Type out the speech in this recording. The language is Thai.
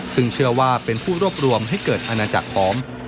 ซึ่งเชื่อว่าเป็นผู้รวบรวมให้เกิดอาณาจักรหอม